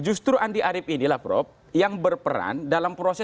justru andi arief inilah prof yang berperan dalam proses